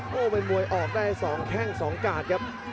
โห้้เป็นมวยออกได้สองแข้งสองกาทครับ